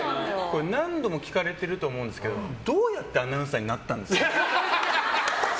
何度も聞かれていると思うんですけどどうやってアナウンサーになったんですか？